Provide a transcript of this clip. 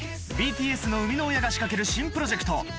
ＢＴＳの生みの親が仕掛ける新プロジェクト。